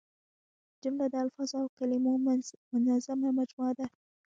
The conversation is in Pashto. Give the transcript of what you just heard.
جمله د الفاظو او کلیمو منظمه مجموعه ده.